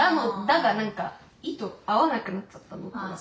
「だ」がなんか「い」と合わなくなっちゃったの。